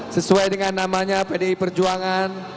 sesuai dengan namanya pdi perjuangan